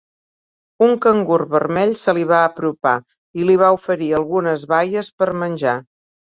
Un cangur vermell se li va apropar i li va oferir algunes baies per menjar.